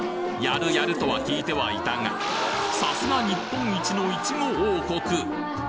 やるやるとは聞いてはいたがさすが日本一のいちご王国！